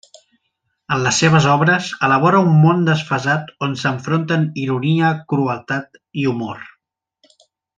En les seves obres, elabora un món desfasat on s'enfronten ironia, crueltat i humor.